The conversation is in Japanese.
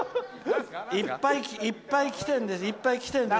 いっぱいきてるんです。